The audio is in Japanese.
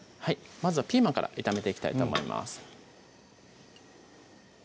まずはピーマンから炒めていきたいと思います